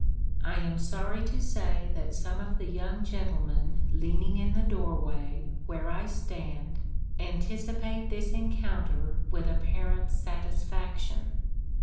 I am sorry to say that some of the young gentlemen leaning in the doorway, where I stand, anticipate this encounter with apparent satisfaction.